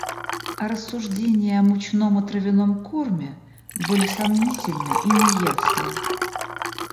А рассуждения о мучном и травяном корме были сомнительны и неясны.